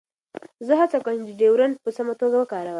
زه هڅه کوم چې ډیوډرنټ په سمه توګه وکاروم.